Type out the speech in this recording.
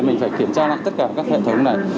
mình phải kiểm tra lại tất cả các hệ thống này